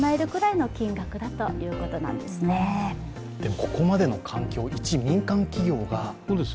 ここまでの環境を一民間企業が。